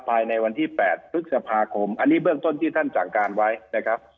ภายในวันที่๘พฤษภาคมอันนี้เบื้องต้นที่ท่านสั่งการไว้นะครับ